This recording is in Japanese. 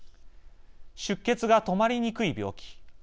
出血が止まりにくい病気。